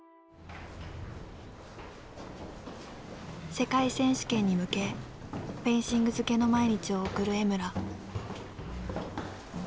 世界選手権に向けフェンシング漬けの毎日を送る江村。